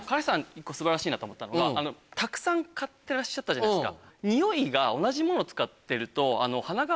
１個素晴らしいなと思ったのがたくさん買ってらっしゃったじゃないですか。